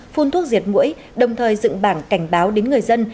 phun thuốc diệt mũi đồng thời dựng bảng cảnh báo đến người dân